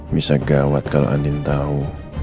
bisa gawat kalau andin tahu